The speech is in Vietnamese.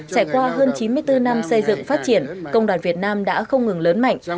trải qua hơn chín mươi bốn năm xây dựng phát triển công đoàn việt nam đã không ngừng lớn mạnh